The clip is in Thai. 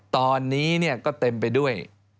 ตอนนี้ก็เต็มไปด้วย